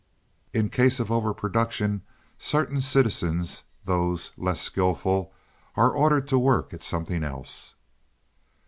In the case of overproduction, certain citizens, those less skillful, are ordered to work at something else.